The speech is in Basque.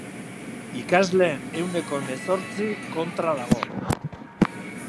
Ikasleen ehuneko hemezortzi kontra dago.